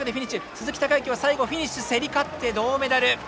鈴木孝幸は最後フィニッシュ競り勝って銅メダル！